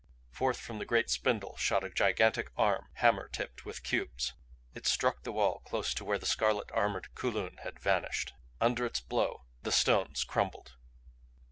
Forth from the great spindle shot a gigantic arm, hammer tipped with cubes. It struck the wall close to where the scarlet armored Kulun had vanished. Under its blow the stones crumbled.